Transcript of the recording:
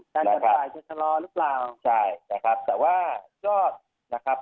กันจะสายเทศรอหรือเปล่าใช่นะครับแต่ว่าก็นะครับ